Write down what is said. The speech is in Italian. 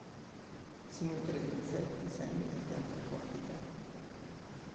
Si nutre di insetti, semi e piante acquatiche.